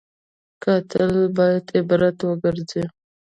قاتل باید عبرت وګرځي